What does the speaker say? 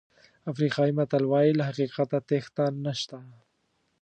افریقایي متل وایي له حقیقت تېښته نشته.